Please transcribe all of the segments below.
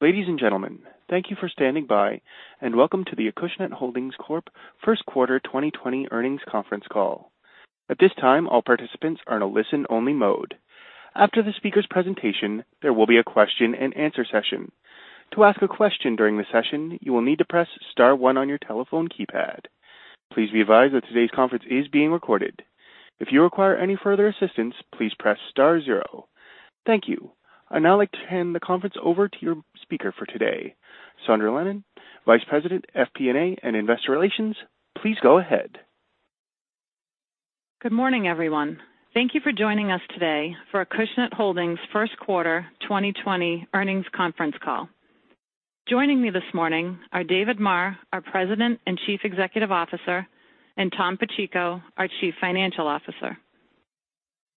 Ladies and gentlemen, thank you for standing by, and Welcome to the Acushnet Holdings Corp. First Quarter 2020 Earnings Conference Call. At this time, all participants are in a listen only mode. After the speaker's presentation, there will be a question and answer session. To ask a question during the session, you will need to press star one on your telephone keypad. Please be advised that today's conference is being recorded. If you require any further assistance, please press star zero. Thank you. I'd now like to hand the conference over to your speaker for today, Sondra Lennon, Vice President, FP&A and Investor Relations. Please go ahead. Good morning, everyone. Thank you for joining us today for Acushnet Holdings First Quarter 2020 Earnings Conference Call. Joining me this morning are David Maher, our President and Chief Executive Officer, and Tom Pacheco, our Chief Financial Officer.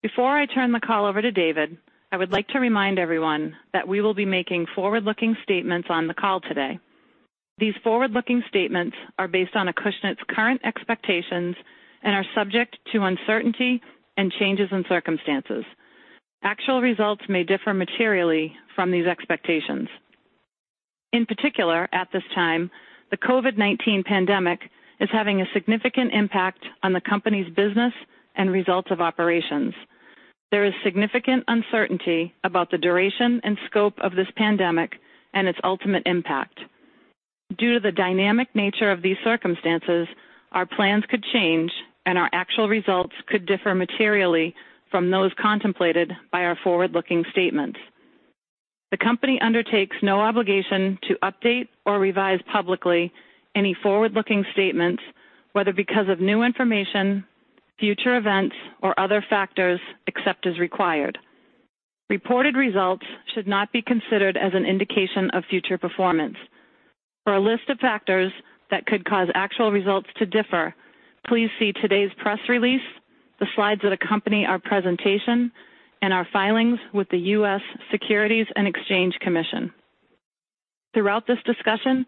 Before I turn the call over to David, I would like to remind everyone that we will be making forward-looking statements on the call today. These forward-looking statements are based on Acushnet's current expectations and are subject to uncertainty and changes in circumstances. Actual results may differ materially from these expectations. In particular, at this time, the COVID-19 pandemic is having a significant impact on the company's business and results of operations. There is significant uncertainty about the duration and scope of this pandemic and its ultimate impact. Due to the dynamic nature of these circumstances, our plans could change and our actual results could differ materially from those contemplated by our forward-looking statements. The company undertakes no obligation to update or revise publicly any forward-looking statements, whether because of new information, future events, or other factors, except as required. Reported results should not be considered as an indication of future performance. For a list of factors that could cause actual results to differ, please see today's press release, the slides that accompany our presentation, and our filings with the US Securities and Exchange Commission. Throughout this discussion,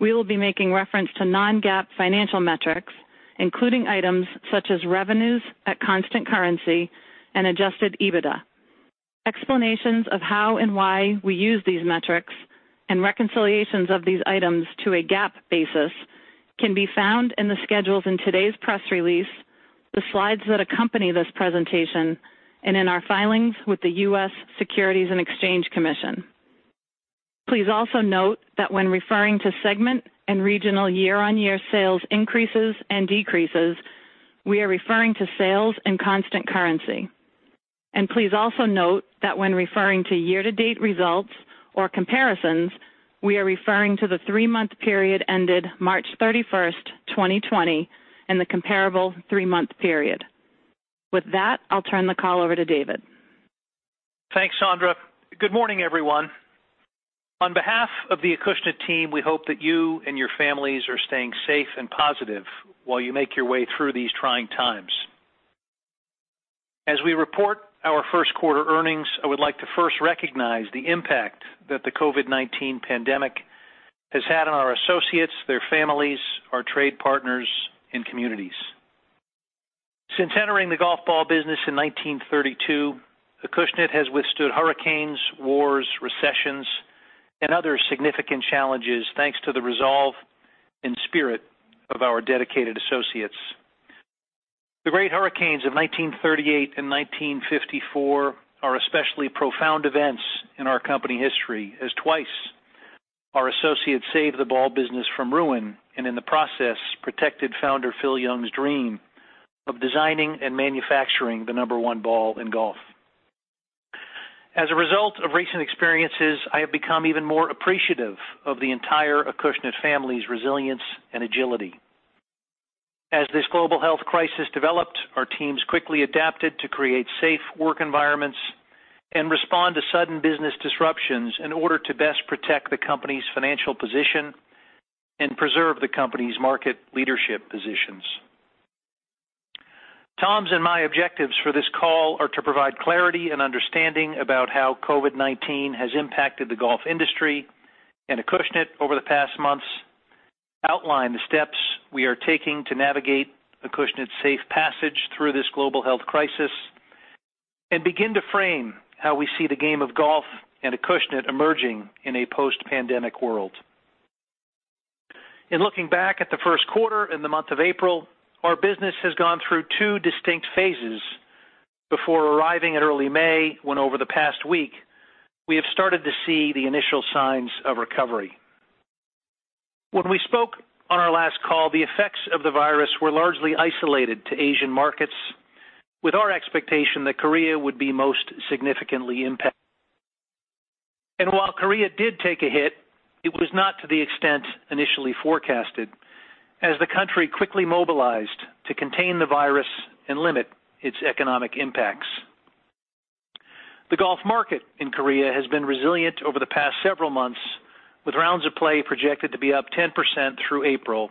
we will be making reference to non-GAAP financial metrics, including items such as revenues at constant currency and adjusted EBITDA. Explanations of how and why we use these metrics, and reconciliations of these items to a GAAP basis can be found in the schedules in today's press release, the slides that accompany this presentation, and in our filings with the U.S. Securities and Exchange Commission. Please also note that when referring to segment and regional year-on-year sales increases and decreases, we are referring to sales and constant currency. Please also note that when referring to year-to-date results or comparisons, we are referring to the three-month period ended March 31st, 2020, and the comparable three-month period. With that, I'll turn the call over to David. Thanks, Sondra. Good morning, everyone. On behalf of the Acushnet team, we hope that you and your families are staying safe and positive while you make your way through these trying times. As we report our first quarter earnings, I would like to first recognize the impact that the COVID-19 pandemic has had on our associates, their families, our trade partners, and communities. Since entering the golf ball business in 1932, Acushnet has withstood hurricanes, wars, recessions, and other significant challenges, thanks to the resolve and spirit of our dedicated associates. The great hurricanes of 1938 and 1954 are especially profound events in our company history, as twice our associates saved the ball business from ruin, and in the process, protected founder Phil Young's dream of designing and manufacturing the number one ball in golf. As a result of recent experiences, I have become even more appreciative of the entire Acushnet family's resilience and agility. As this global health crisis developed, our teams quickly adapted to create safe work environments and respond to sudden business disruptions in order to best protect the company's financial position and preserve the company's market leadership positions. Tom's and my objectives for this call are to provide clarity and understanding about how COVID-19 has impacted the golf industry and Acushnet over the past months, outline the steps we are taking to navigate Acushnet's safe passage through this global health crisis, and begin to frame how we see the game of golf and Acushnet emerging in a post-pandemic world. In looking back at the first quarter in the month of April, our business has gone through two distinct phases before arriving in early May, when over the past week we have started to see the initial signs of recovery. When we spoke on our last call, the effects of the virus were largely isolated to Asian markets, with our expectation that Korea would be most significantly impacted. While Korea did take a hit, it was not to the extent initially forecasted, as the country quickly mobilized to contain the virus and limit its economic impacts. The golf market in Korea has been resilient over the past several months, with rounds of play projected to be up 10% through April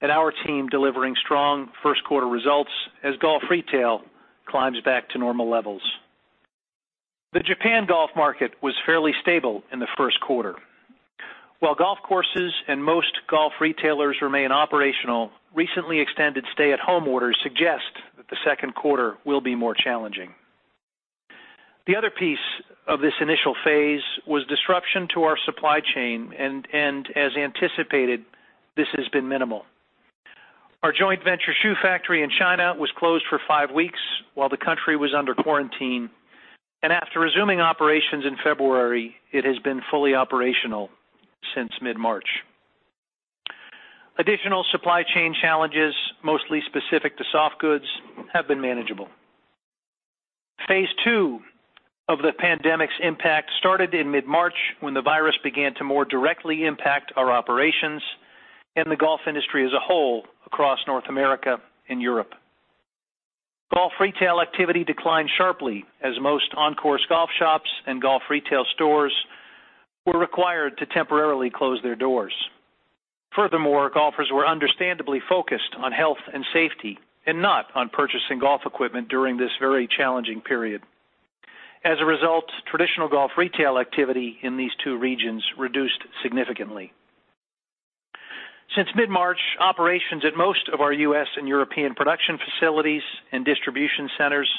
and our team delivering strong first quarter results as golf retail climbs back to normal levels. The Japan golf market was fairly stable in the first quarter. While golf courses and most golf retailers remain operational, recently extended stay-at-home orders suggest that the second quarter will be more challenging. The other piece of this initial phase was disruption to our supply chain, and as anticipated, this has been minimal. Our joint venture shoe factory in China was closed for five weeks while the country was under quarantine, and after resuming operations in February, it has been fully operational since mid-March. Additional supply chain challenges, mostly specific to soft goods, have been manageable. Phase two of the pandemic's impact started in mid-March, when the virus began to more directly impact our operations and the golf industry as a whole across North America and Europe. Golf retail activity declined sharply as most on-course golf shops and golf retail stores were required to temporarily close their doors. Furthermore, golfers were understandably focused on health and safety and not on purchasing golf equipment during this very challenging period. Traditional golf retail activity in these two regions reduced significantly. Since mid-March, operations at most of our U.S. and European production facilities and distribution centers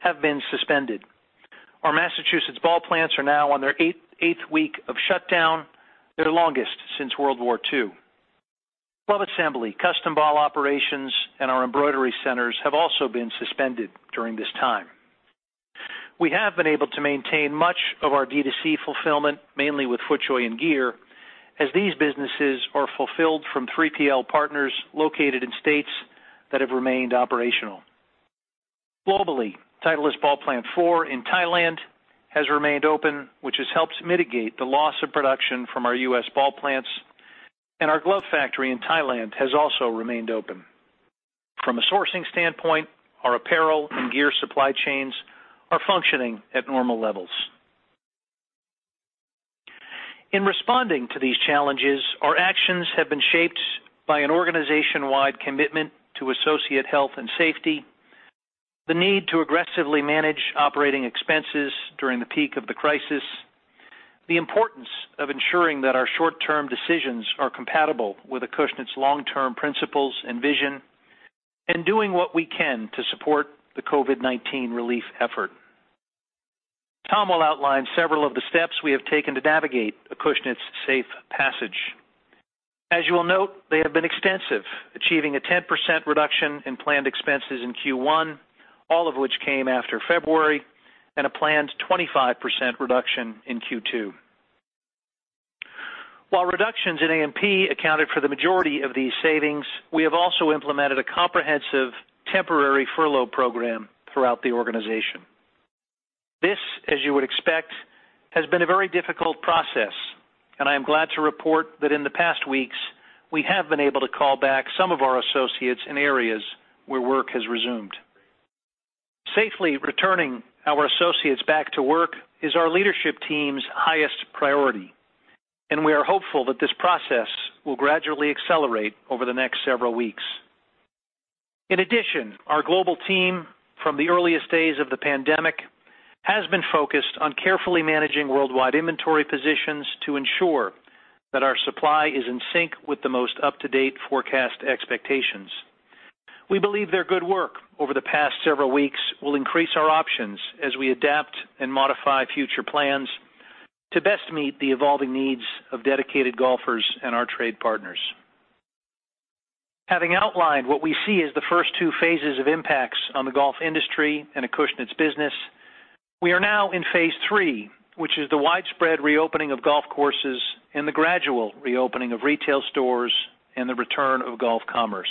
have been suspended. Our Massachusetts ball plants are now on their eighth week of shutdown, their longest since World War II. Glove assembly, custom ball operations, and our embroidery centers have also been suspended during this time. We have been able to maintain much of our D2C fulfillment, mainly with FootJoy and gear, as these businesses are fulfilled from 3PL partners located in states that have remained operational. Globally, Titleist Ball Plant Four in Thailand has remained open, which has helped mitigate the loss of production from our U.S. ball plants, and our glove factory in Thailand has also remained open. From a sourcing standpoint, our apparel and gear supply chains are functioning at normal levels. In responding to these challenges, our actions have been shaped by an organization-wide commitment to associate health and safety, the need to aggressively manage operating expenses during the peak of the crisis, the importance of ensuring that our short-term decisions are compatible with Acushnet's long-term principles and vision, and doing what we can to support the COVID-19 relief effort. Tom will outline several of the steps we have taken to navigate Acushnet's safe passage. As you will note, they have been extensive, achieving a 10% reduction in planned expenses in Q1, all of which came after February, and a planned 25% reduction in Q2. While reductions in A&P accounted for the majority of these savings, we have also implemented a comprehensive temporary furlough program throughout the organization. This, as you would expect, has been a very difficult process, and I am glad to report that in the past weeks, we have been able to call back some of our associates in areas where work has resumed. Safely returning our associates back to work is our leadership team's highest priority, and we are hopeful that this process will gradually accelerate over the next several weeks. In addition, our global team, from the earliest days of the pandemic, has been focused on carefully managing worldwide inventory positions to ensure that our supply is in sync with the most up-to-date forecast expectations. We believe their good work over the past several weeks will increase our options as we adapt and modify future plans to best meet the evolving needs of dedicated golfers and our trade partners. Having outlined what we see as the first two phases of impacts on the golf industry and Acushnet's business, we are now in phase 3, which is the widespread reopening of golf courses and the gradual reopening of retail stores and the return of golf commerce.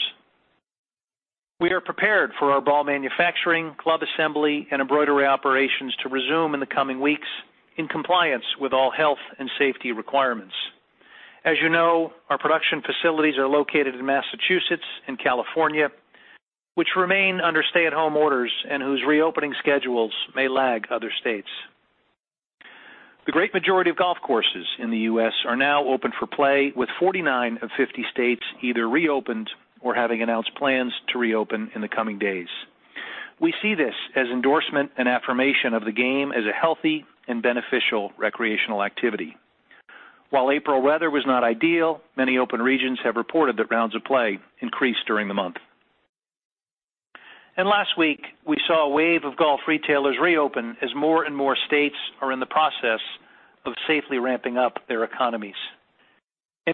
We are prepared for our ball manufacturing, club assembly, and embroidery operations to resume in the coming weeks in compliance with all health and safety requirements. As you know, our production facilities are located in Massachusetts and California, which remain under stay-at-home orders and whose reopening schedules may lag other states. The great majority of golf courses in the U.S. are now open for play, with 49 of 50 states either reopened or having announced plans to reopen in the coming days. We see this as endorsement and affirmation of the game as a healthy and beneficial recreational activity. While April weather was not ideal, many open regions have reported that rounds of play increased during the month. Last week, we saw a wave of golf retailers reopen as more and more states are in the process of safely ramping up their economies.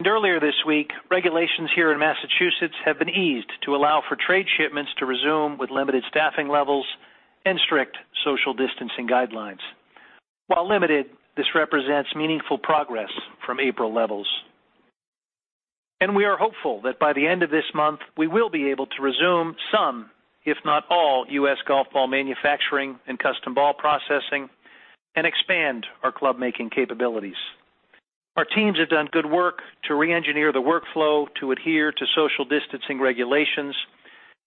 Earlier this week, regulations here in Massachusetts have been eased to allow for trade shipments to resume with limited staffing levels and strict social distancing guidelines. While limited, this represents meaningful progress from April levels. We are hopeful that by the end of this month, we will be able to resume some, if not all, U.S. golf ball manufacturing and custom ball processing and expand our club-making capabilities. Our teams have done good work to re-engineer the workflow to adhere to social distancing regulations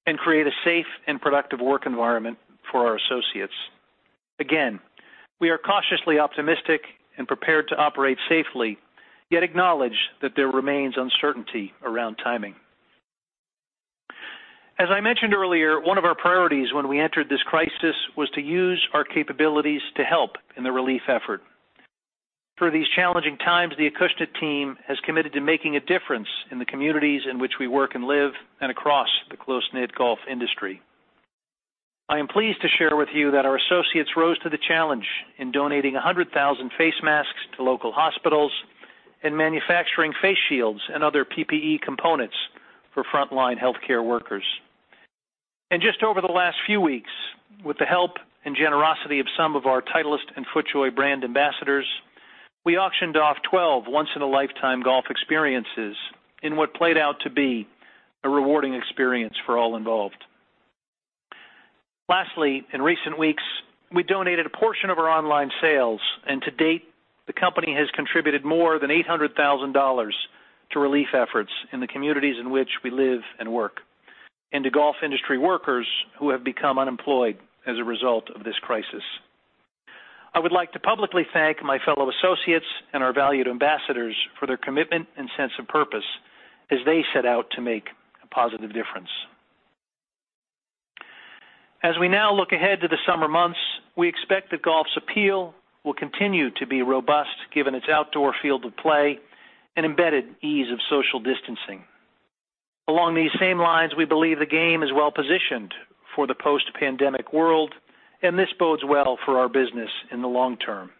and create a safe and productive work environment for our associates. Again, we are cautiously optimistic and prepared to operate safely, yet acknowledge that there remains uncertainty around timing. As I mentioned earlier, one of our priorities when we entered this crisis was to use our capabilities to help in the relief effort. Through these challenging times, the Acushnet team has committed to making a difference in the communities in which we work and live, and across the close-knit golf industry. I am pleased to share with you that our associates rose to the challenge in donating 100,000 face masks to local hospitals and manufacturing face shields and other PPE components for frontline healthcare workers. Just over the last few weeks, with the help and generosity of some of our Titleist and FootJoy brand ambassadors, we auctioned off 12 once-in-a-lifetime golf experiences in what played out to be a rewarding experience for all involved. Lastly, in recent weeks, we donated a portion of our online sales, and to date, the company has contributed more than $800,000 to relief efforts in the communities in which we live and work, and to golf industry workers who have become unemployed as a result of this crisis. I would like to publicly thank my fellow associates and our valued ambassadors for their commitment and sense of purpose as they set out to make a positive difference. As we now look ahead to the summer months, we expect that golf's appeal will continue to be robust given its outdoor field of play and embedded ease of social distancing. Along these same lines, we believe the game is well positioned for the post-pandemic world, and this bodes well for our business in the long term.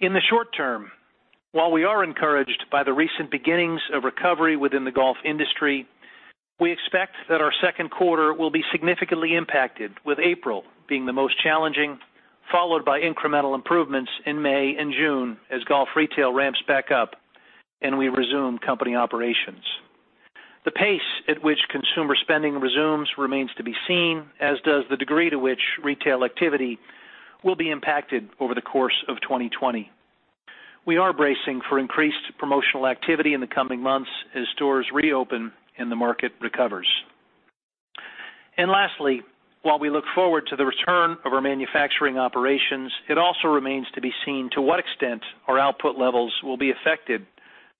In the short term, while we are encouraged by the recent beginnings of recovery within the golf industry, we expect that our second quarter will be significantly impacted, with April being the most challenging, followed by incremental improvements in May and June as golf retail ramps back up and we resume company operations. The pace at which consumer spending resumes remains to be seen, as does the degree to which retail activity will be impacted over the course of 2020. We are bracing for increased promotional activity in the coming months as stores reopen and the market recovers. Lastly, while we look forward to the return of our manufacturing operations, it also remains to be seen to what extent our output levels will be affected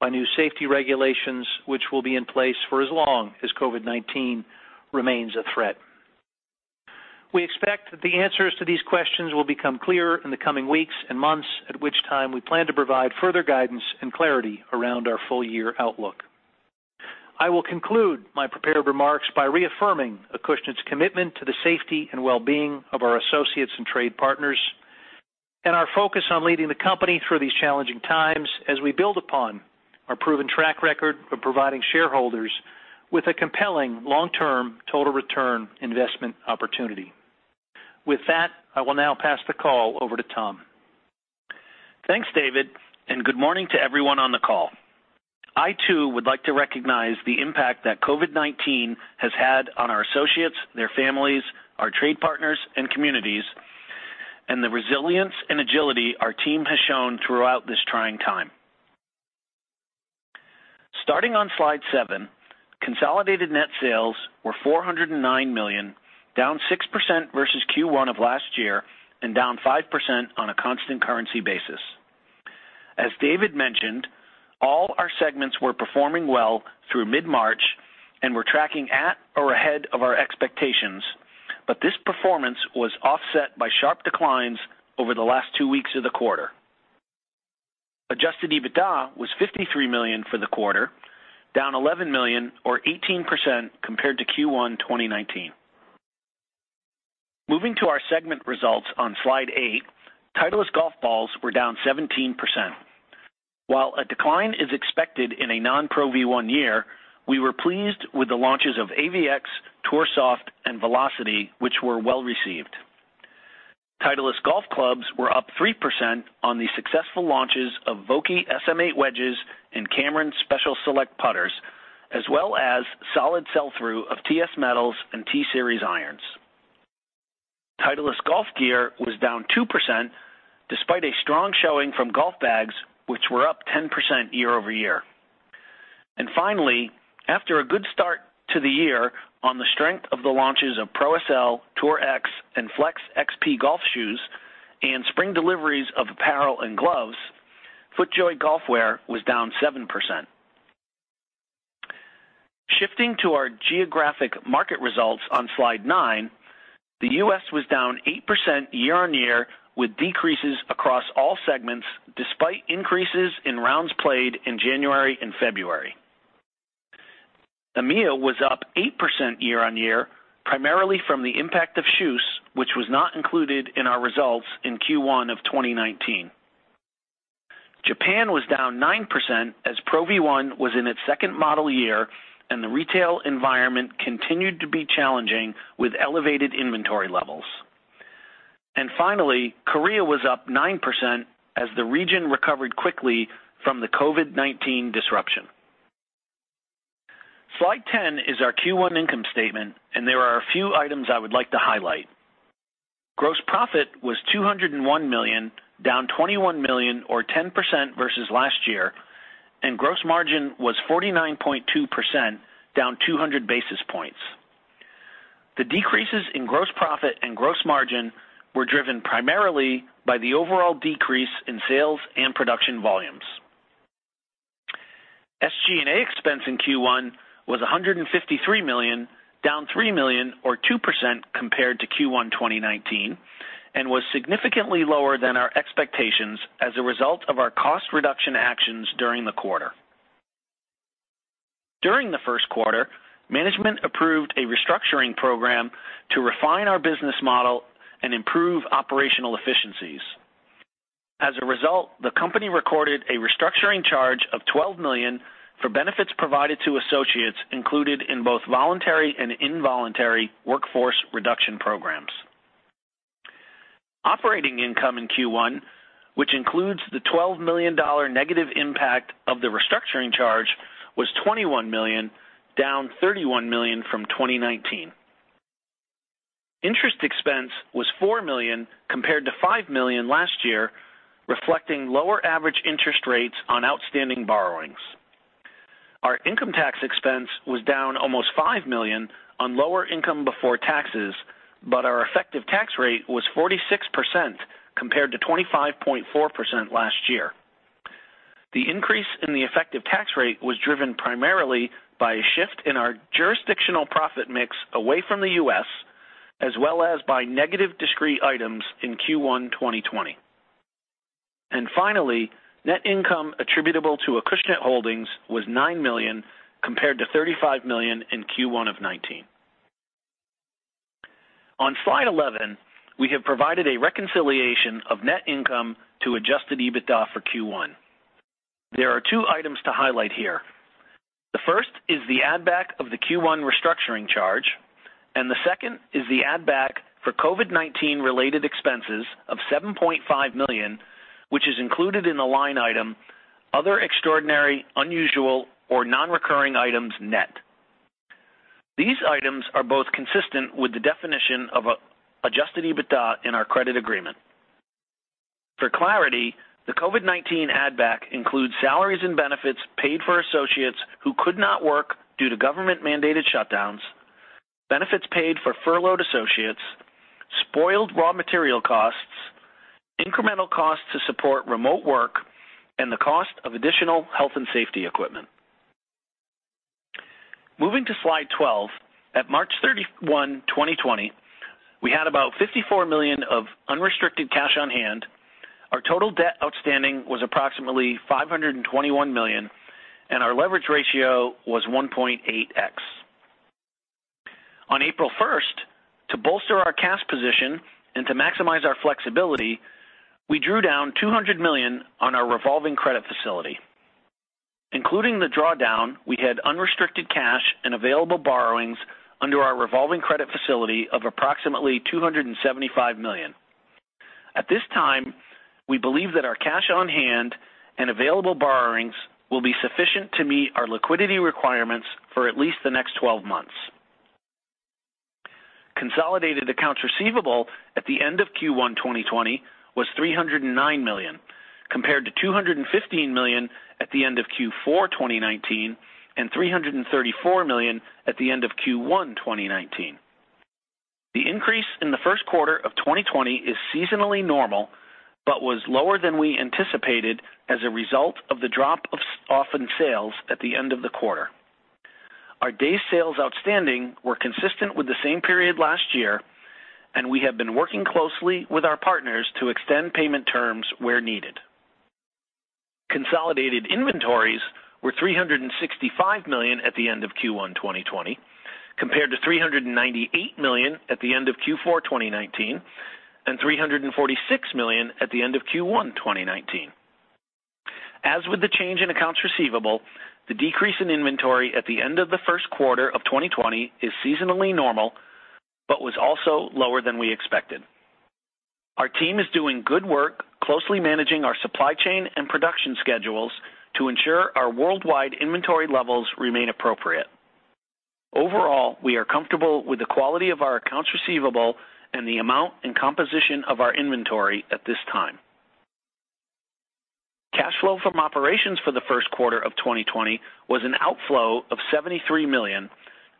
by new safety regulations, which will be in place for as long as COVID-19 remains a threat. We expect the answers to these questions will become clearer in the coming weeks and months, at which time we plan to provide further guidance and clarity around our full year outlook. I will conclude my prepared remarks by reaffirming Acushnet's commitment to the safety and wellbeing of our associates and trade partners, and our focus on leading the company through these challenging times as we build upon our proven track record of providing shareholders with a compelling long-term total return investment opportunity. With that, I will now pass the call over to Tom. Thanks, David. Good morning to everyone on the call. I too would like to recognize the impact that COVID-19 has had on our associates, their families, our trade partners and communities, and the resilience and agility our team has shown throughout this trying time. Starting on slide seven, consolidated net sales were $409 million, down 6% versus Q1 of last year and down 5% on a constant currency basis. As David mentioned, all our segments were performing well through mid-March and were tracking at or ahead of our expectations. This performance was offset by sharp declines over the last two weeks of the quarter. Adjusted EBITDA was $53 million for the quarter, down $11 million or 18% compared to Q1 2019. Moving to our segment results on slide eight, Titleist golf balls were down 17%. While a decline is expected in a non-Pro V1 year, we were pleased with the launches of AVX, Tour Soft, and Velocity, which were well received. Titleist golf clubs were up 3% on the successful launches of Vokey SM8 wedges and Cameron Special Select putters, as well as solid sell-through of TS metals and T-Series irons. Titleist golf gear was down 2%, despite a strong showing from golf bags, which were up 10% year-over-year. Finally, after a good start to the year on the strength of the launches of Pro/SL, Tour X, and Flex XP golf shoes, and spring deliveries of apparel and gloves, FootJoy golf wear was down 7%. Shifting to our geographic market results on slide nine, the U.S. was down 8% year-on-year with decreases across all segments, despite increases in rounds played in January and February. EMEA was up 8% year-over-year, primarily from the impact of KJUS, which was not included in our results in Q1 2019. Japan was down 9% as Pro V1 was in its second model year and the retail environment continued to be challenging with elevated inventory levels. Finally, Korea was up 9% as the region recovered quickly from the COVID-19 disruption. Slide 10 is our Q1 income statement. There are a few items I would like to highlight. Gross profit was $201 million, down $21 million or 10% versus last year. Gross margin was 49.2%, down 200 basis points. The decreases in gross profit and gross margin were driven primarily by the overall decrease in sales and production volumes. SG&A expense in Q1 was $153 million, down $3 million or 2% compared to Q1 2019, and was significantly lower than our expectations as a result of our cost reduction actions during the quarter. During the first quarter, management approved a restructuring program to refine our business model and improve operational efficiencies. As a result, the company recorded a restructuring charge of $12 million for benefits provided to associates included in both voluntary and involuntary workforce reduction programs. Operating income in Q1, which includes the $12 million negative impact of the restructuring charge, was $21 million, down $31 million from 2019. Interest expense was $4 million compared to $5 million last year, reflecting lower average interest rates on outstanding borrowings. Our income tax expense was down almost $5 million on lower income before taxes, but our effective tax rate was 46% compared to 25.4% last year. The increase in the effective tax rate was driven primarily by a shift in our jurisdictional profit mix away from the U.S., as well as by negative discrete items in Q1 2020. Finally, net income attributable to Acushnet Holdings was $9 million, compared to $35 million in Q1 of 2019. On slide 11, we have provided a reconciliation of net income to adjusted EBITDA for Q1. There are two items to highlight here. The first is the add back of the Q1 restructuring charge, and the second is the add back for COVID-19 related expenses of $7.5 million, which is included in the line item, other extraordinary, unusual or non-recurring items net. These items are both consistent with the definition of adjusted EBITDA in our credit agreement. For clarity, the COVID-19 add back includes salaries and benefits paid for associates who could not work due to government-mandated shutdowns, benefits paid for furloughed associates, spoiled raw material costs, incremental costs to support remote work, and the cost of additional health and safety equipment. Moving to slide 12. At March 31, 2020, we had about $54 million of unrestricted cash on hand. Our total debt outstanding was approximately $521 million, and our leverage ratio was 1.8x. On April 1st, to bolster our cash position and to maximize our flexibility, we drew down $200 million on our revolving credit facility. Including the drawdown, we had unrestricted cash and available borrowings under our revolving credit facility of approximately $275 million. At this time, we believe that our cash on hand and available borrowings will be sufficient to meet our liquidity requirements for at least the next 12 months. Consolidated accounts receivable at the end of Q1 2020 was $309 million, compared to $215 million at the end of Q4 2019 and $334 million at the end of Q1 2019. The increase in the first quarter of 2020 is seasonally normal, but was lower than we anticipated as a result of the drop-off in sales at the end of the quarter. Our day sales outstanding were consistent with the same period last year, and we have been working closely with our partners to extend payment terms where needed. Consolidated inventories were $365 million at the end of Q1 2020, compared to $398 million at the end of Q4 2019 and $346 million at the end of Q1 2019. As with the change in accounts receivable, the decrease in inventory at the end of the first quarter of 2020 is seasonally normal, but was also lower than we expected. Our team is doing good work closely managing our supply chain and production schedules to ensure our worldwide inventory levels remain appropriate. Overall, we are comfortable with the quality of our accounts receivable and the amount and composition of our inventory at this time. Cash flow from operations for the first quarter of 2020 was an outflow of $73 million,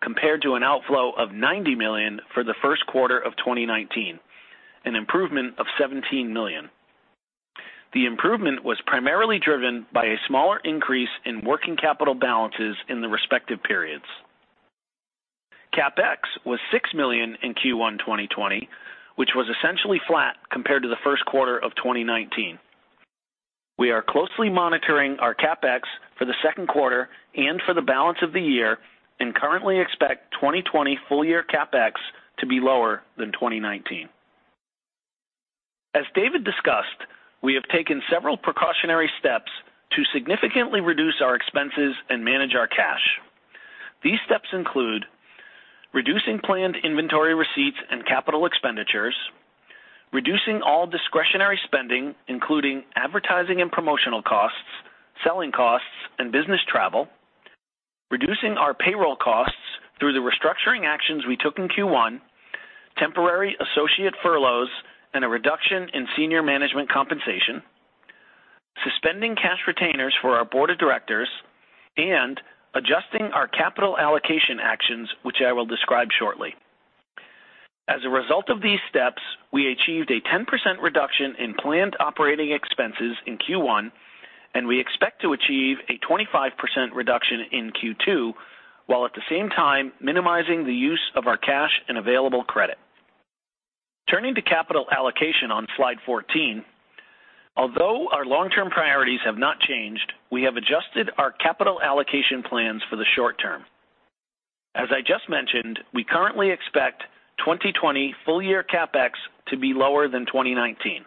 compared to an outflow of $90 million for the first quarter of 2019, an improvement of $17 million. The improvement was primarily driven by a smaller increase in working capital balances in the respective periods. CapEx was $6 million in Q1 2020, which was essentially flat compared to the first quarter of 2019. We are closely monitoring our CapEx for the second quarter and for the balance of the year and currently expect 2020 full year CapEx to be lower than 2019. As David discussed, we have taken several precautionary steps to significantly reduce our expenses and manage our cash. These steps include reducing planned inventory receipts and capital expenditures, reducing all discretionary spending, including advertising and promotional costs, selling costs and business travel. Reducing our payroll costs through the restructuring actions we took in Q1, temporary associate furloughs, and a reduction in senior management compensation. Suspending cash retainers for our board of directors and adjusting our capital allocation actions, which I will describe shortly. As a result of these steps, we achieved a 10% reduction in planned operating expenses in Q1, and we expect to achieve a 25% reduction in Q2, while at the same time minimizing the use of our cash and available credit. Turning to capital allocation on slide 14. Although our long-term priorities have not changed, we have adjusted our capital allocation plans for the short term. As I just mentioned, we currently expect 2020 full year CapEx to be lower than 2019.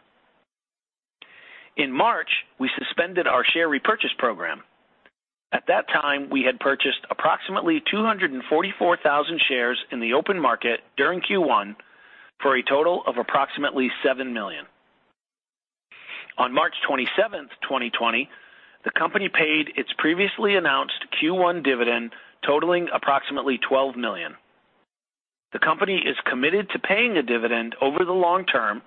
In March, we suspended our share repurchase program. At that time, we had purchased approximately 244,000 shares in the open market during Q1 for a total of approximately $7 million. On March 27th, 2020, the company paid its previously announced Q1 dividend totaling approximately $12 million. The company is committed to paying a dividend over the long term.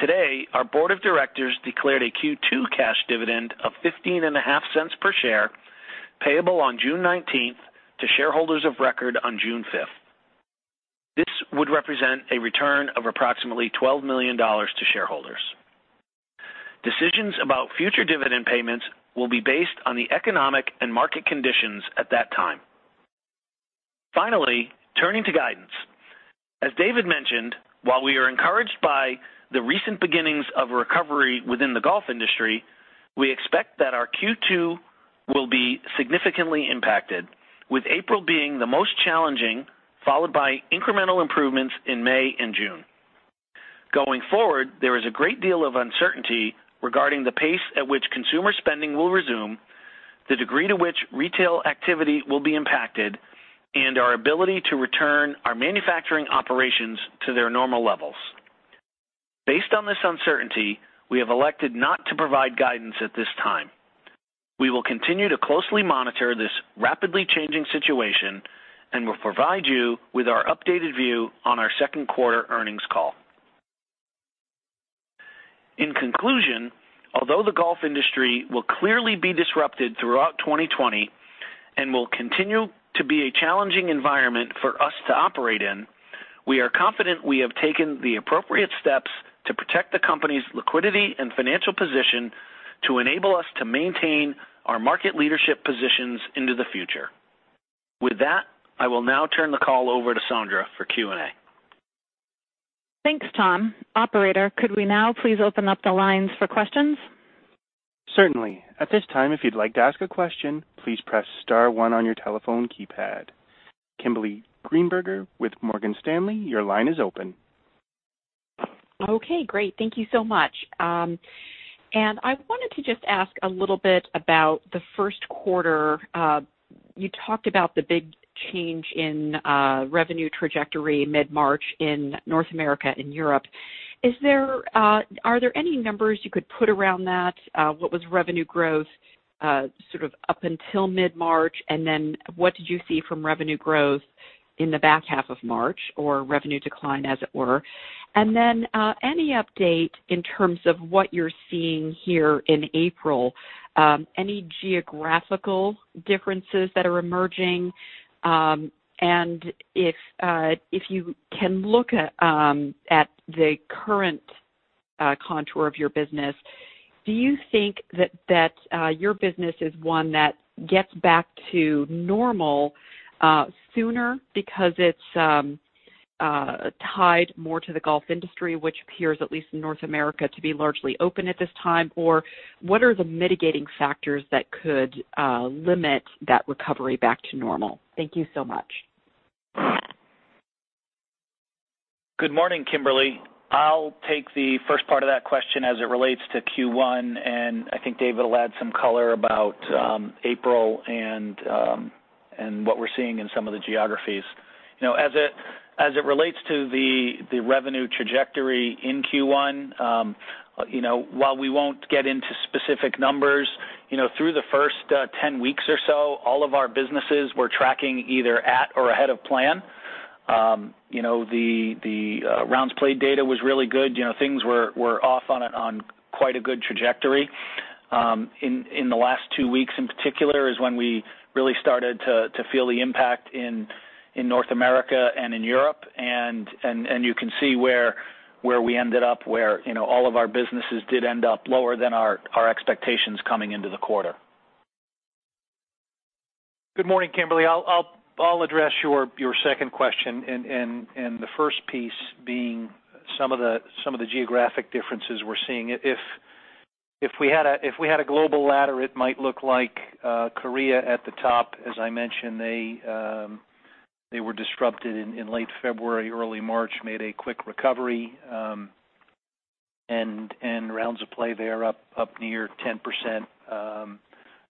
Today, our board of directors declared a Q2 cash dividend of $0.155 per share, payable on June 19th to shareholders of record on June 5th. This would represent a return of approximately $12 million to shareholders. Decisions about future dividend payments will be based on the economic and market conditions at that time. Finally, turning to guidance. As David mentioned, while we are encouraged by the recent beginnings of recovery within the golf industry, we expect that our Q2 will be significantly impacted, with April being the most challenging, followed by incremental improvements in May and June. Going forward, there is a great deal of uncertainty regarding the pace at which consumer spending will resume, the degree to which retail activity will be impacted, and our ability to return our manufacturing operations to their normal levels. Based on this uncertainty, we have elected not to provide guidance at this time. We will continue to closely monitor this rapidly changing situation and will provide you with our updated view on our second quarter earnings call. In conclusion, although the golf industry will clearly be disrupted throughout 2020 and will continue to be a challenging environment for us to operate in, we are confident we have taken the appropriate steps to protect the company's liquidity and financial position to enable us to maintain our market leadership positions into the future. With that, I will now turn the call over to Sondra for Q&A. Thanks, Tom. Operator, could we now please open up the lines for questions? Certainly. At this time, if you'd like to ask a question, please press star one on your telephone keypad. Kimberly Greenberger with Morgan Stanley, your line is open. Okay, great. Thank you so much. I wanted to just ask a little bit about the first quarter. You talked about the big change in revenue trajectory mid-March in North America and Europe. Are there any numbers you could put around that? What was revenue growth sort of up until mid-March, and then what did you see from revenue growth in the back half of March, or revenue decline as it were? Any update in terms of what you're seeing here in April, any geographical differences that are emerging? If you can look at the current contour of your business, do you think that your business is one that gets back to normal sooner because it's tied more to the golf industry, which appears, at least in North America, to be largely open at this time? What are the mitigating factors that could limit that recovery back to normal? Thank you so much. Good morning, Kimberly. I'll take the first part of that question as it relates to Q1. I think David will add some color about April and what we're seeing in some of the geographies. As it relates to the revenue trajectory in Q1, while we won't get into specific numbers, through the first 10 weeks or so, all of our businesses were tracking either at or ahead of plan. The rounds played data was really good. Things were off on quite a good trajectory. In the last two weeks in particular is when we really started to feel the impact in North America and in Europe. You can see where we ended up, where all of our businesses did end up lower than our expectations coming into the quarter. Good morning, Kimberly. I'll address your second question, and the first piece being some of the geographic differences we're seeing. If we had a global ladder, it might look like Korea at the top. As I mentioned, they were disrupted in late February, early March, made a quick recovery, and rounds of play there up near 10%.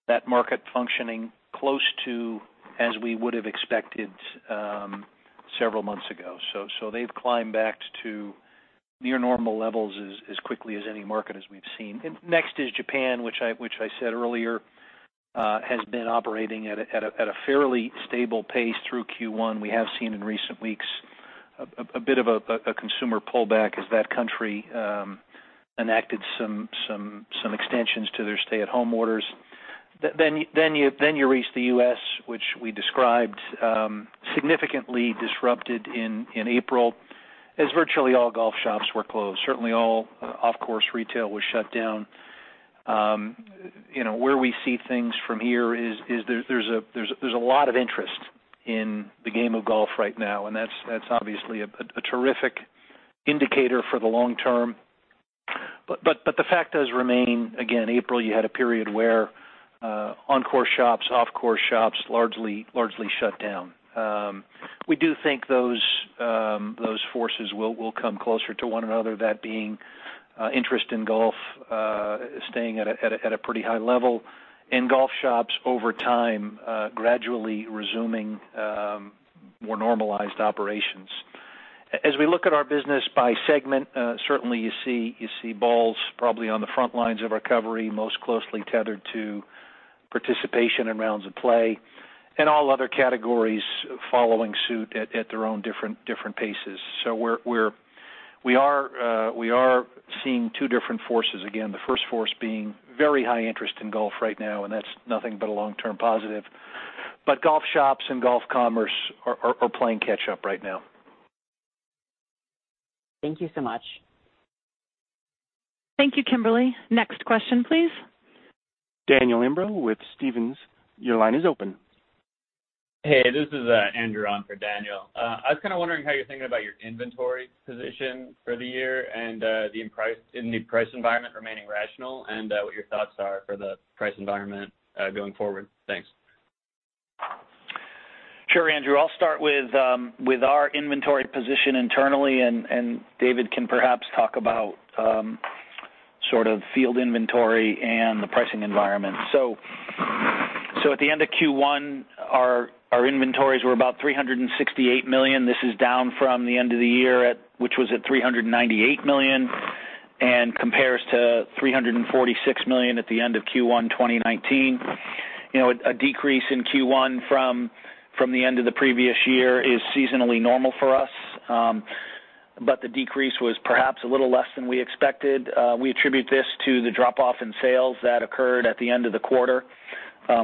That market functioning close to as we would have expected several months ago. They've climbed back to near normal levels as quickly as any market as we've seen. Next is Japan, which I said earlier has been operating at a fairly stable pace through Q1. We have seen in recent weeks a bit of a consumer pullback as that country enacted some extensions to their stay-at-home orders. You reach the U.S., which we described significantly disrupted in April, as virtually all golf shops were closed. Certainly all off-course retail was shut down. Where we see things from here is there's a lot of interest in the game of golf right now, and that's obviously a terrific indicator for the long term. The fact does remain, again, April, you had a period where on-course shops, off-course shops largely shut down. We do think those forces will come closer to one another, that being interest in golf staying at a pretty high level, and golf shops, over time, gradually resuming more normalized operations. As we look at our business by segment, certainly you see balls probably on the front lines of recovery, most closely tethered to participation in rounds of play, and all other categories following suit at their own different paces. We are seeing two different forces. Again, the first force being very high interest in golf right now, and that's nothing but a long-term positive. Golf shops and golf commerce are playing catch up right now. Thank you so much. Thank you, Kimberly. Next question, please. Daniel Imbro with Stephens, your line is open. Hey, this is Andrew on for Daniel. I was wondering how you're thinking about your inventory position for the year and the price environment remaining rational, and what your thoughts are for the price environment going forward? Thanks. Sure, Andrew. I'll start with our inventory position internally, and David can perhaps talk about field inventory and the pricing environment. At the end of Q1, our inventories were about $368 million. This is down from the end of the year, which was at $398 million, and compares to $346 million at the end of Q1 2019. A decrease in Q1 from the end of the previous year is seasonally normal for us. The decrease was perhaps a little less than we expected. We attribute this to the drop-off in sales that occurred at the end of the quarter,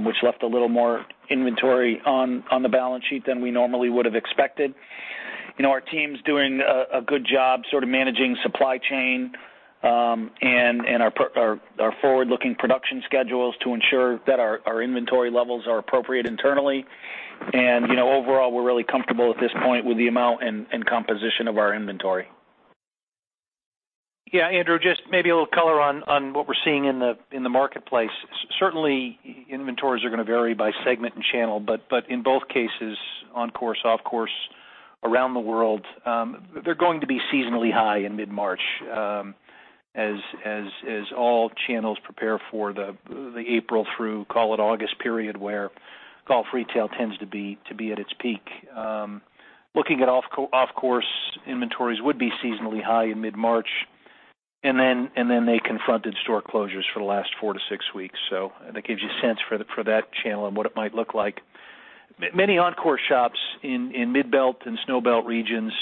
which left a little more inventory on the balance sheet than we normally would have expected. Our team's doing a good job sort of managing supply chain and our forward-looking production schedules to ensure that our inventory levels are appropriate internally. Overall, we're really comfortable at this point with the amount and composition of our inventory. Yeah, Andrew, just maybe a little color on what we're seeing in the marketplace. Certainly, inventories are going to vary by segment and channel, but in both cases, on course, off course, around the world, they're going to be seasonally high in mid-March, as all channels prepare for the April through, call it August period, where golf retail tends to be at its peak. Looking at off-course inventories would be seasonally high in mid-March, and then they confronted store closures for the last four to six weeks. That gives you a sense for that channel and what it might look like. Many on-course shops in Mid-Belt and Snow Belt regions,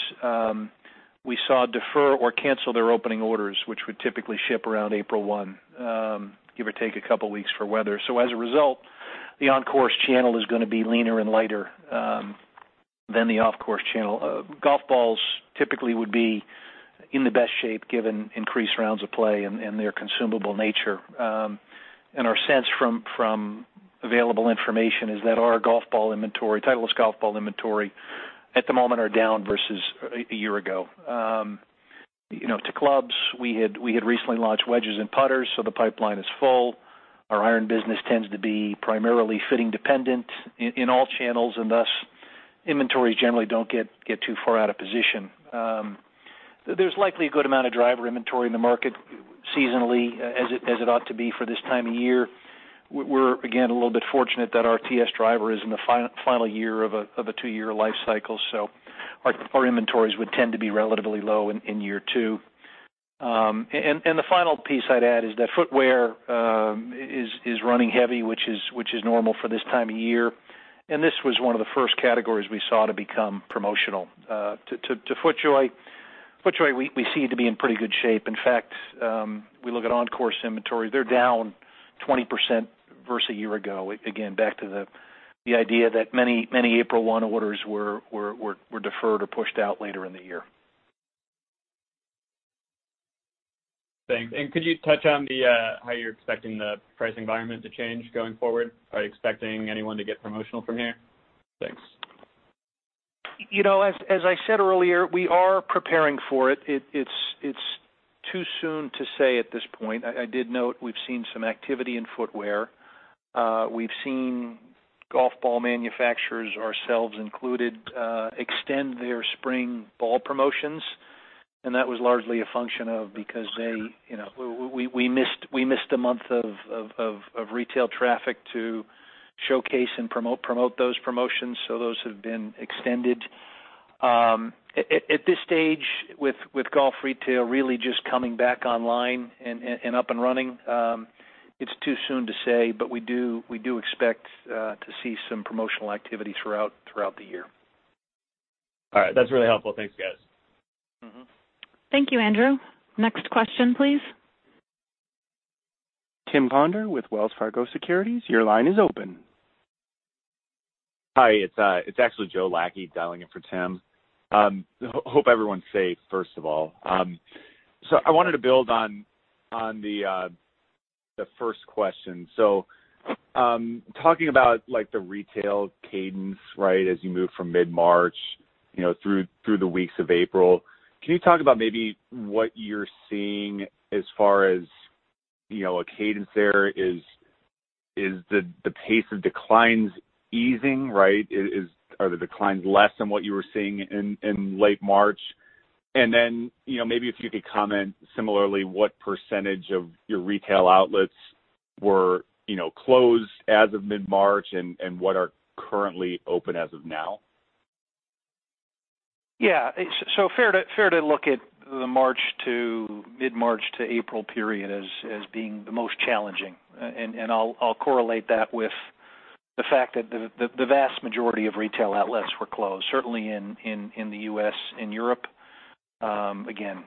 we saw defer or cancel their opening orders, which would typically ship around April 1, give or take a couple of weeks for weather. As a result, the on-course channel is going to be leaner and lighter than the off-course channel. Golf balls typically would be in the best shape given increased rounds of play and their consumable nature. Our sense from available information is that our golf ball inventory, Titleist golf ball inventory, at the moment are down versus a year ago. To clubs, we had recently launched wedges and putters, the pipeline is full. Our iron business tends to be primarily fitting dependent in all channels, thus, inventories generally don't get too far out of position. There's likely a good amount of driver inventory in the market seasonally, as it ought to be for this time of year. We're, again, a little bit fortunate that our TS driver is in the final year of a two-year life cycle, so our inventories would tend to be relatively low in year two. The final piece I'd add is that footwear is running heavy, which is normal for this time of year. This was one of the first categories we saw to become promotional. To FootJoy, we seem to be in pretty good shape. In fact, we look at on-course inventory, they're down 20% versus a year ago. Again, back to the idea that many April 1 orders were deferred or pushed out later in the year. Thanks. Could you touch on how you're expecting the price environment to change going forward? Are you expecting anyone to get promotional from here? Thanks. As I said earlier, we are preparing for it. It's too soon to say at this point. I did note we've seen some activity in footwear. We've seen golf ball manufacturers, ourselves included, extend their spring ball promotions, and that was largely a function of because we missed a month of retail traffic to showcase and promote those promotions. Those have been extended. At this stage, with golf retail really just coming back online and up and running, it's too soon to say, but we do expect to see some promotional activity throughout the year. All right. That's really helpful. Thanks, guys. Thank you, Andrew. Next question, please. Tim Conder with Wells Fargo Securities, your line is open. Hi, it's actually Joe Lachky dialing in for Tim. Hope everyone's safe, first of all. I wanted to build on the first question. Talking about the retail cadence, right, as you move from mid-March through the weeks of April, can you talk about maybe what you're seeing as far as a cadence there? Is the pace of declines easing, right? Are the declines less than what you were seeing in late March? Then, maybe if you could comment similarly what percentage of your retail outlets were closed as of mid-March and what are currently open as of now? Yeah. Fair to look at the mid-March to April period as being the most challenging. I'll correlate that with the fact that the vast majority of retail outlets were closed, certainly in the U.S., in Europe. Again,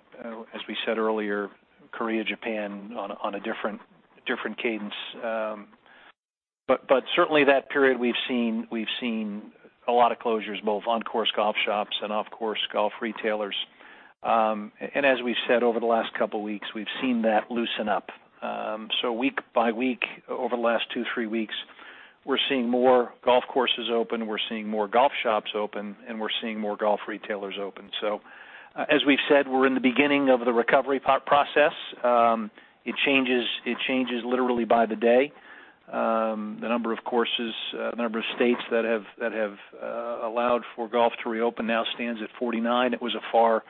as we said earlier, Korea, Japan, on a different cadence. Certainly that period, we've seen a lot of closures, both on-course golf shops and off-course golf retailers. As we've said over the last couple of weeks, we've seen that loosen up. Week by week, over the last two, three weeks, we're seeing more golf courses open, we're seeing more golf shops open, and we're seeing more golf retailers open. As we've said, we're in the beginning of the recovery process. It changes literally by the day. The number of courses, number of states that have allowed for golf to reopen now stands at 49. It was a far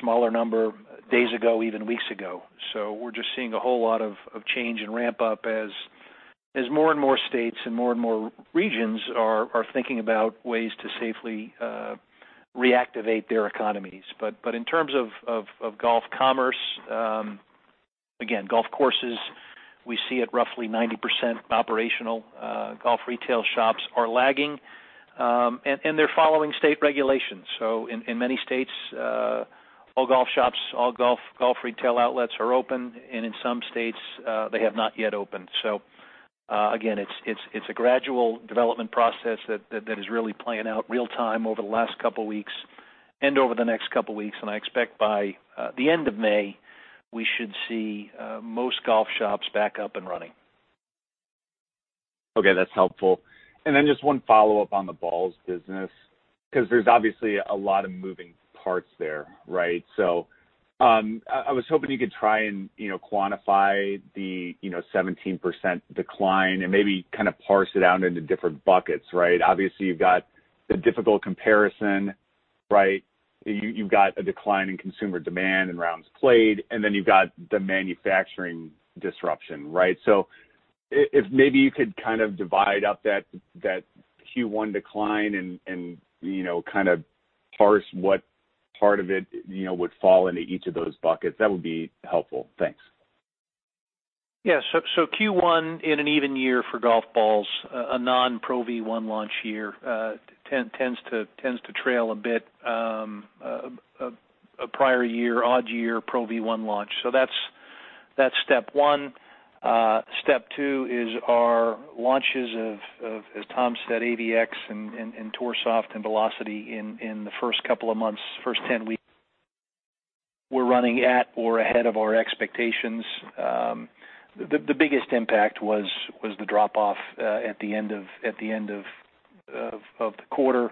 smaller number days ago, even weeks ago. We're just seeing a whole lot of change and ramp up as more and more states and more and more regions are thinking about ways to safely reactivate their economies. In terms of golf commerce, again, golf courses, we see at roughly 90% operational. Golf retail shops are lagging. They're following state regulations. In many states, all golf shops, all golf retail outlets are open, and in some states, they have not yet opened. Again, it's a gradual development process that is really playing out real-time over the last couple of weeks and over the next couple of weeks. I expect by the end of May, we should see most golf shops back up and running. Okay, that's helpful. Then just one follow-up on the balls business, because there's obviously a lot of moving parts there, right? I was hoping you could try and quantify the 17% decline and maybe kind of parse it out into different buckets, right? Obviously, you've got the difficult comparison, right? You've got a decline in consumer demand and rounds played, and then you've got the manufacturing disruption, right? If maybe you could kind of divide up that Q1 decline and kind of parse what part of it would fall into each of those buckets, that would be helpful. Thanks. Yeah. Q1 in an even year for golf balls, a non Pro V1 launch year tends to trail a bit a prior year, odd year Pro V1 launch. That's step one. Step two is our launches of, as Tom said, AVX and Tour Soft and Velocity in the first couple of months, first 10 weeks. We're running at or ahead of our expectations. The biggest impact was the drop-off at the end of the quarter.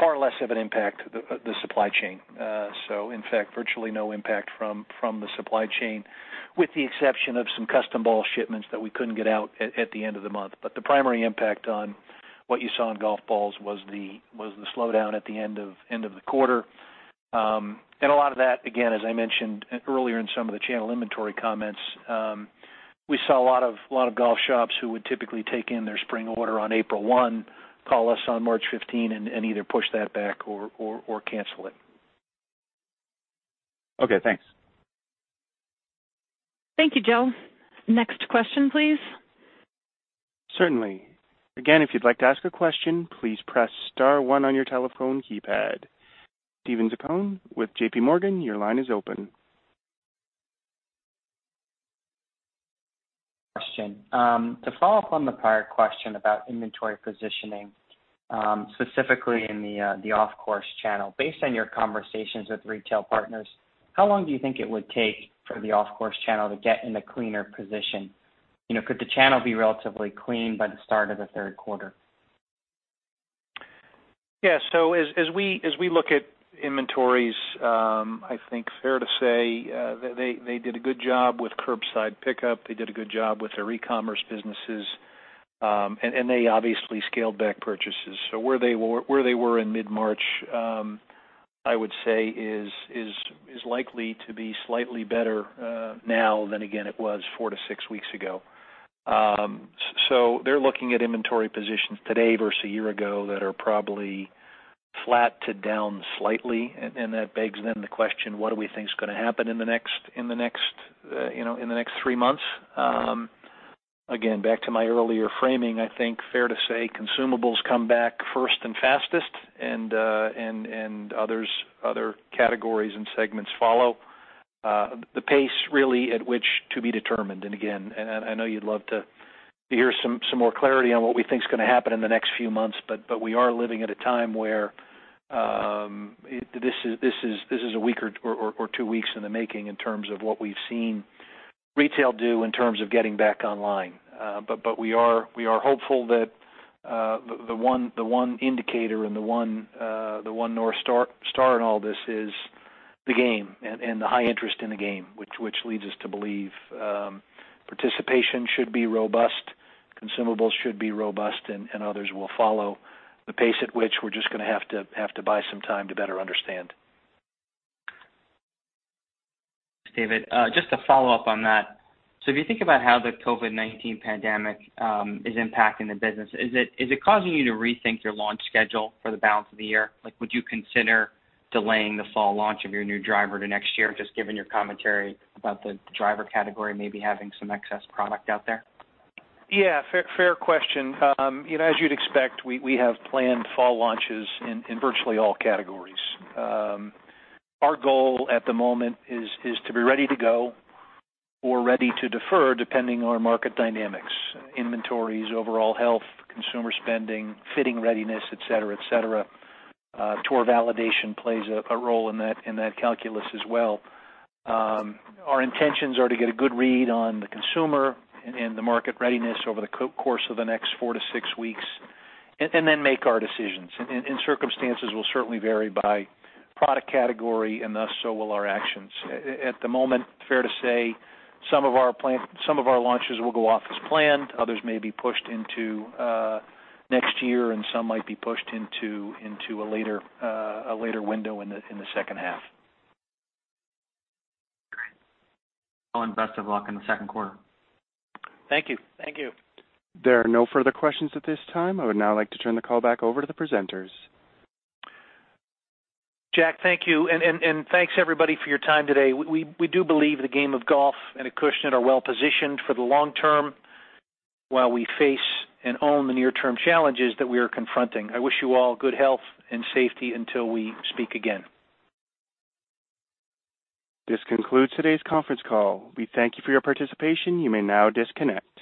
Far less of an impact, the supply chain. In fact, virtually no impact from the supply chain, with the exception of some custom ball shipments that we couldn't get out at the end of the month. The primary impact on what you saw in golf balls was the slowdown at the end of the quarter. A lot of that, again, as I mentioned earlier in some of the channel inventory comments, we saw a lot of golf shops who would typically take in their spring order on April 1 call us on March 15 and either push that back or cancel it. Okay, thanks. Thank you, Joe. Next question, please. Certainly. Again, if you'd like to ask a question, please press star one on your telephone keypad. Steven Zaccone with JPMorgan, your line is open. Question. To follow up on the prior question about inventory positioning, specifically in the off-course channel. Based on your conversations with retail partners, how long do you think it would take for the off-course channel to get in a cleaner position? Could the channel be relatively clean by the start of the third quarter? Yeah. As we look at inventories, I think fair to say they did a good job with curbside pickup. They did a good job with their e-commerce businesses. They obviously scaled back purchases. Where they were in mid-March, I would say, is likely to be slightly better now than, again, it was four to six weeks ago. They're looking at inventory positions today versus a year ago that are probably flat to down slightly, and that begs then the question, what do we think is going to happen in the next three months? Again, back to my earlier framing, I think fair to say consumables come back first and fastest and other categories and segments follow. The pace really at which to be determined. Again, I know you'd love to hear some more clarity on what we think is going to happen in the next few months. We are living at a time where this is a week or two weeks in the making in terms of what we've seen retail do in terms of getting back online. We are hopeful that the one indicator and the one north star in all this is the game and the high interest in the game, which leads us to believe participation should be robust, consumables should be robust, and others will follow the pace at which we're just going to have to buy some time to better understand. David, just to follow up on that. If you think about how the COVID-19 pandemic is impacting the business, is it causing you to rethink your launch schedule for the balance of the year? Would you consider delaying the fall launch of your new driver to next year, just given your commentary about the driver category maybe having some excess product out there? Yeah, fair question. As you'd expect, we have planned fall launches in virtually all categories. Our goal at the moment is to be ready to go or ready to defer, depending on market dynamics, inventories, overall health, consumer spending, fitting readiness, et cetera. Tour validation plays a role in that calculus as well. Our intentions are to get a good read on the consumer and the market readiness over the course of the next four to six weeks, and then make our decisions. Circumstances will certainly vary by product category, and thus so will our actions. At the moment, fair to say some of our launches will go off as planned, others may be pushed into next year, and some might be pushed into a later window in the second half. Great. Well, best of luck in the second quarter. Thank you. There are no further questions at this time. I would now like to turn the call back over to the presenters. Jack, thank you. Thanks, everybody, for your time today. We do believe the game of golf and Acushnet are well-positioned for the long term, while we face and own the near-term challenges that we are confronting. I wish you all good health and safety until we speak again. This concludes today's conference call. We thank you for your participation. You may now disconnect.